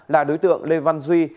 là đối tượng lê văn duy